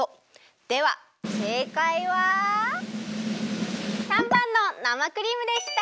ではせいかいは③ばんの生クリームでした！